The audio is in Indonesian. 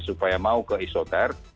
supaya mau ke isoter